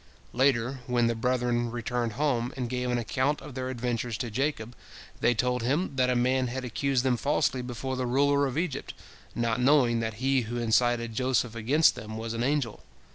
Later, when the brethren returned home, and gave an account of their adventures to Jacob, they told him that a man had accused them falsely before the ruler of Egypt, not knowing that he who incited Joseph against them was an angel.